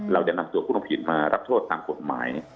เราจะนำตัวผู้ทำผิดมารับโทษตามกฎหมาย